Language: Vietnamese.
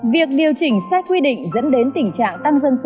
việc điều chỉnh sai quy định dẫn đến tình trạng tăng dân số